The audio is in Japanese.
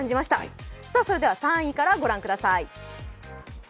それでは３位から御覧ください。